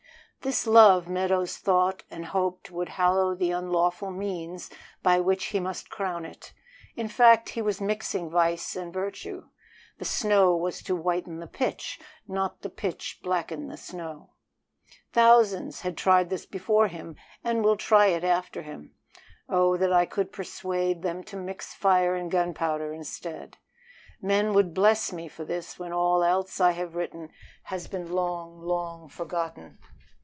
This love Meadows thought and hoped would hallow the unlawful means by which he must crown it. In fact, he was mixing vice and virtue. The snow was to whiten the pitch, not the pitch blacken the snow. Thousands had tried this before him and will try it after him. Oh, that I could persuade them to mix fire and gunpowder instead! Men would bless me for this when all else I have written has been long, long forgotten.